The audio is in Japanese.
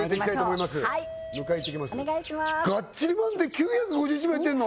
９５１もやってるの！？